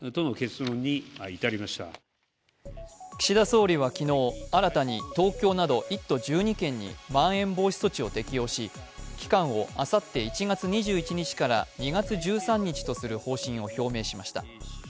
岸田総理は昨日、新たに東京など１都１２県にまん延防止措置を適用し期間をあさって１月２１日から２月１３日とする方針を表明しました。